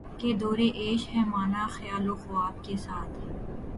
کہ دورِ عیش ہے مانا خیال و خواب کے ساتھ